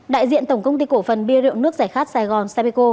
đại diện tổng công ty cổ phần bia rượu nước giải khát sài gòn sapeco